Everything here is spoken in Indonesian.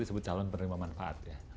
disebut calon penerima manfaat